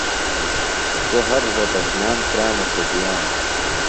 سوۡ ہر روھوتشنام کرامہ تھےۡ بِیانوۡ۔